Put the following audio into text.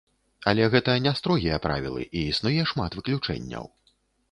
Але гэта не строгія правілы, і існуе шмат выключэнняў.